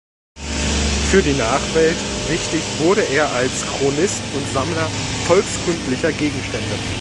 Für die Nachwelt wichtig wurde er als Chronist und Sammler volkskundlicher Gegenstände.